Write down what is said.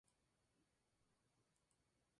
En África, una causa más común es el sida.